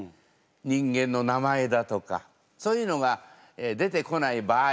人間の名前だとかそういうのが出てこない場合があります。